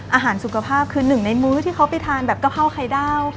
อาหารสุขภาพคือหนึ่งในมื้อที่เขาไปทานแบบกะเพราไข่ดาว